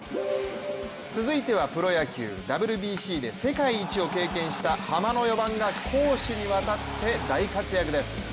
続いてはプロ野球、ＷＢＣで世界一を経験したハマの４番が攻守にわたって大活躍です。